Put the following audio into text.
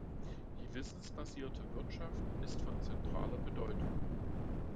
Die wissensbasierte Wirtschaft ist von zentraler Bedeutung.